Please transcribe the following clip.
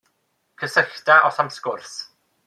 Cysyllta os am sgwrs.